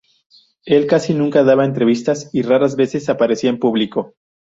Él casi nunca daba entrevistas y raras veces aparecía en público.